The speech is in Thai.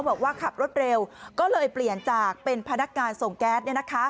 บอกว่าขับรถเร็วก็เลยเปลี่ยนจากเป็นพนักงานส่งแก๊ส